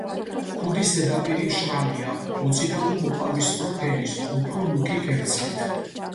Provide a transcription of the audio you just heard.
ქუდის ზედაპირი მშრალია, მოწითალო-მოყავისფრო ფერის, უფრო მუქი ქერცლით.